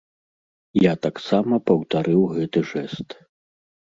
Я таксама паўтарыў гэты жэст.